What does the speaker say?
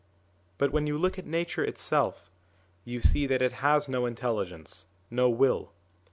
But when you look at Nature itself, you see that it has no intelligence, no will.